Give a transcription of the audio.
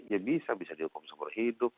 ya bisa bisa dihukum seumur hidup